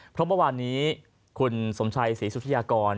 เพราะเมื่อวานนี้คุณสมชัยศรีสุธิยากร